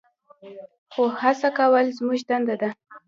خو هڅه کول زموږ دنده ده.